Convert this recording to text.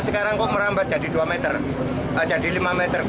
sekarang kok merambat jadi dua meter jadi lima meter